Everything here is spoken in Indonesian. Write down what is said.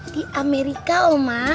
di amerika oma